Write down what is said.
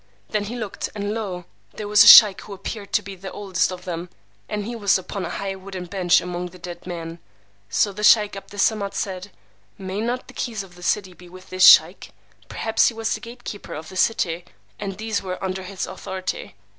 Then he looked, and lo, there was a sheykh who appeared to be the oldest of them, and he was upon a high wooden bench among the dead men. So the sheykh 'Abd Es Samad said, May not the keys of the city be with this sheykh? Perhaps he was the gate keeper of the city, and these were under his authority.